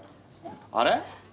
あれ？